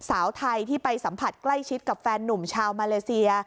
สาวไทยที่ไปสัมผัสใกล้ชิดกับแฟนนุ่มชาวมาเลเซีย